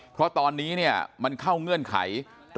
เพราะตอนนี้มันเข้าเงื่อนไข